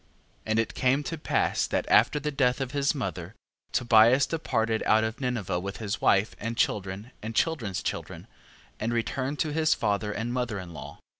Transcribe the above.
14:14. And it came to pass that after the death of his mother, Tobias departed out of Ninive with his wife, and children, and children's children, and returned to his father and mother in law.